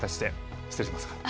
失礼しますが。